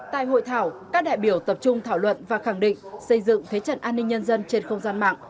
tại hội thảo các đại biểu tập trung thảo luận và khẳng định xây dựng thế trận an ninh nhân dân trên không gian mạng